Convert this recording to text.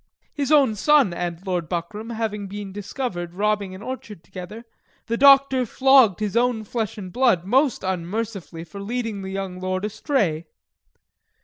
His own son and Lord Buckram having been discovered robbing an orchard together, the Doctor flogged his own flesh and blood most unmercifully for leading the young Lord astray.